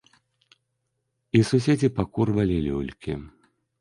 І суседзі пакурвалі люлькі.